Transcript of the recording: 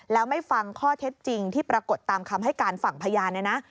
แล้วไม่ฟังข้อเท็จจริงที่ปรากฏตามคำให้การฝั่งพยานเนี่ยนะ